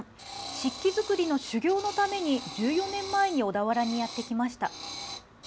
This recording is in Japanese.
漆器作りの修業のために、１４年前に小田原にやって来ました。